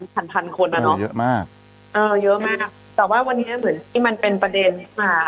พันพันคนอ่ะเนอะเยอะมากเออเยอะมากแต่ว่าวันนี้เหมือนที่มันเป็นประเด็นมา